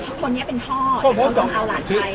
คือคนนี้เป็นพ่อแล้วเขาต้องเอาหลานใคร